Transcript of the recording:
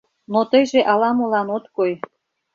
Но тыйже ала-молан от кой.